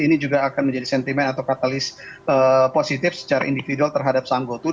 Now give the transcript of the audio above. ini juga akan menjadi sentimen atau katalis positif secara individual terhadap sang gotu